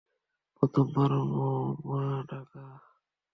প্রথমবার মা ডাকা।